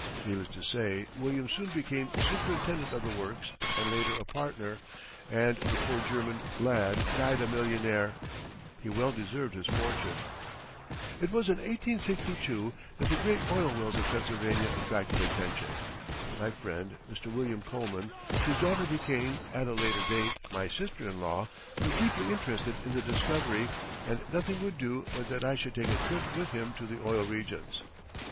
Needless to say, William soon became superintendent of the works and later a partner, and the poor German lad died a millionaire. He well deserved his fortune. It was in 1862 that the great oil wells of Pennsylvania attracted attention. My friend Mr. William Coleman, whose daughter became, at a later date, my sister in law, was deeply interested in the discovery, and nothing would do but that I should take a trip with him to the oil regions.